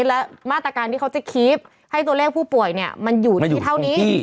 และมาตรการที่เขาจะคีฟให้ตัวเลขผู้ป่วยเนี่ยมันอยู่ที่เท่านี้